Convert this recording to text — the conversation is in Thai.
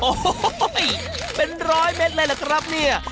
โอ้โหเป็นร้อยเมตรเลยล่ะครับเนี่ย